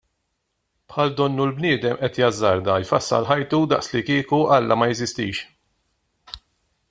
Bħal donnu l-bniedem qed jazzarda jfassal ħajtu daqslikieku Alla ma jeżistix.